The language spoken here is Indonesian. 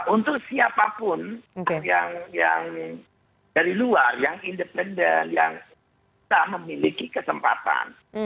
untuk siapapun yang dari luar yang independen yang tak memiliki kesempatan